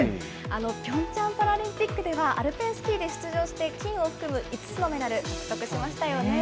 ピョンチャンパラリンピックでは、アルペンスキーで出場して、金を含む５つのメダル獲得しましたよね。